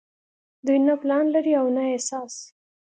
دوي نۀ پلان لري او نه احساس